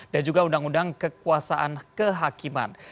dan juga undang undang kekuasaan kehakiman